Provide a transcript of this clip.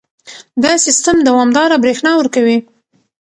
دا سیستم دوامداره برېښنا ورکوي.